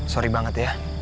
sorry banget ya